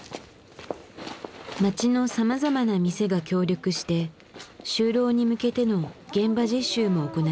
町のさまざまな店が協力して就労に向けての現場実習も行っている。